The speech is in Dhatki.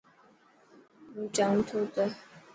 هون چاهون ٿو ته.